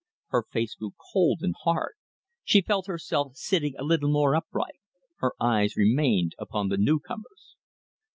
Her face grew cold and hard. She felt herself sitting a little more upright. Her eyes remained fixed upon the newcomers.